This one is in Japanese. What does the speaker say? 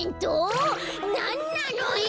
なんなのよ！